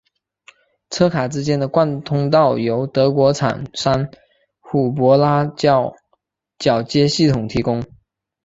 车卡之间的贯通道由德国厂商虎伯拉铰接系统提供。